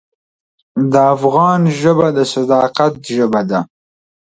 د افغان ژبه د صداقت ژبه ده.